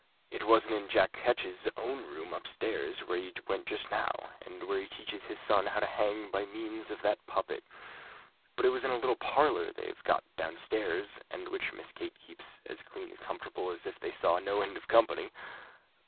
It wasn't in Jack Ketch's own room up stairs where we went just now, and where he teaches his son how to hang by means of that puppet; but it was in a little parlour they have got down stairs, and which Miss Kate keeps as clean and comfortable as if they saw no end of company.